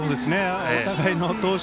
お互いの投手